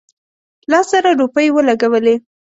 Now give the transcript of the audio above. لس زره روپۍ ولګولې.